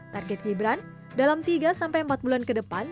target gibran dalam tiga sampai empat bulan ke depan